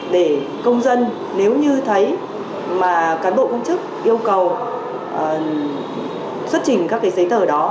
để công dân nếu như thấy cán bộ công chức yêu cầu xuất trình các giấy tờ đó